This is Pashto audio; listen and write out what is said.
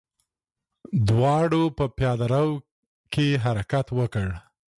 دواړو په پياده رو کې حرکت وکړ.